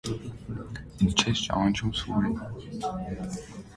- Ինձ չե՞ս ճանաչում, Սուրեն…